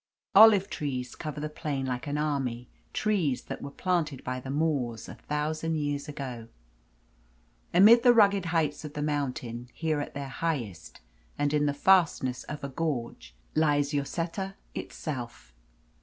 Olive trees cover the plain like an army, trees that were planted by the Moors a thousand years ago. Amid the rugged heights of the mountains, here at their highest, and in the fastness of a gorge, lies Lloseta itself.